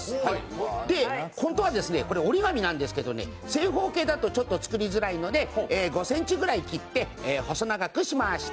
本当は折り紙なんですけど正方形だとちょっと作りづらいので５ｃｍぐらい切って細長くしました。